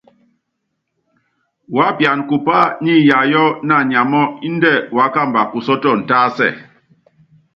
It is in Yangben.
Wuápiana kupá niiyayɔ naanyamɔ́ índɛ wuákamba kusɔ́tɔn tásɛ.